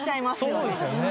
そうですよね。